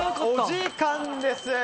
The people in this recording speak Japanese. お時間です！